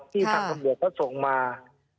ที่ทางฝั่งบอกเขาส่งมานะครับ